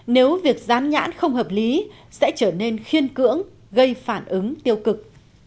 nếu việc dán nhãn không hợp lý sẽ trở nên khiên cưỡng gây phản ứng tiêu cực